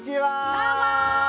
どうも！